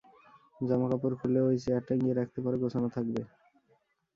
জামা কাপড় খুলে ঐ চেয়ারে টাঙিয়ে রাখতে পারো, গোছানো থাকবে।